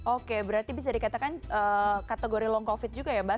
oke berarti bisa dikatakan kategori long covid juga ya mbak